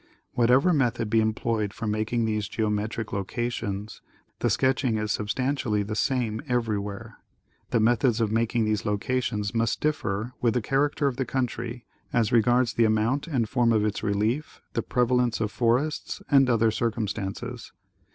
Whatever method be employed for mak ing these geometric locations, the sketching is substantially the same everywhere. The methods of making these locations must differ with the character of the countr}^, as regards the amount and form of its relief, the prevalence of forests and other circum stances.